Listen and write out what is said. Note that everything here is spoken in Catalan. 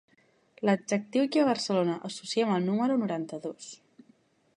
L'adjectiu que a Barcelona associem al número noranta-dos.